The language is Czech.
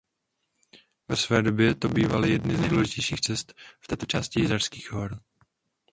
Ve své době to bývaly jedny z nejdůležitějších cest v této části Jizerských hor.